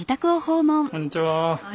こんにちは。